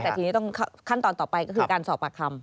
แต่ทีนี้ต้องขั้นตอนต่อไปก็คือการสอบปากคำ